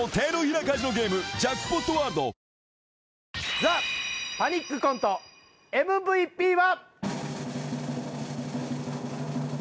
『ＴＨＥパニックコント』ＭＶＰは。